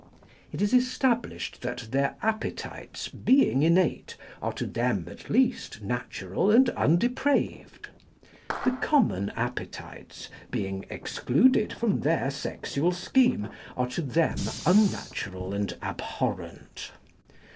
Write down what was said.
It is established that their appetites, being innate, are to them at least natural and undepraved; the common appetites, being excluded from their sexual scheme, are to them unnatural and abhorrent.